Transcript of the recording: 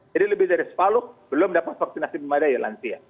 jadi lebih dari sepalu belum dapat vaksinasi memadai lansia